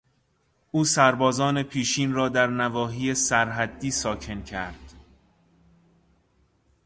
او سربازان پیشین را در نواحی سر حدی ساکن کرد.